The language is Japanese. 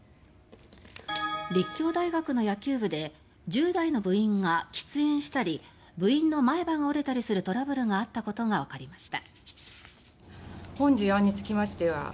立教大学の野球部で１０代の部員が喫煙したり部員の前歯が折れたりするトラブルがあったことがわかりました。